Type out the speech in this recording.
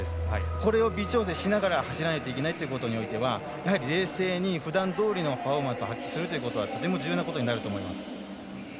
これを微調整しながら走らないといけないということはやはり冷静にふだんどおりのパフォーマンスを発揮するということがとても重要なことだと思います。